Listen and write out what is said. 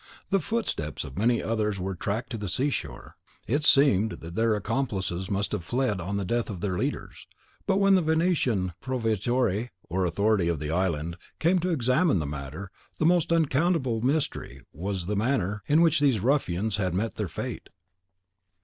The footsteps of many others were tracked to the seashore. It seemed that their accomplices must have fled on the death of their leaders. But when the Venetian Proveditore, or authority, of the island, came to examine into the matter, the most unaccountable mystery was the manner in which these ruffians had met their fate.